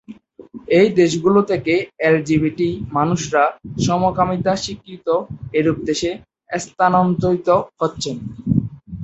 এই দেশগুলো থেকে এলজিবিটি মানুষরা সমকামিতা স্বীকৃত এরূপ দেশে স্থানান্তরিত হচ্ছেন।